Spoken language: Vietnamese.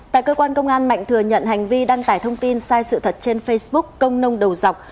tại cơ quan công an mạnh thừa nhận hành vi đăng tải thông tin sai sự thật trên facebook công nông đầu dọc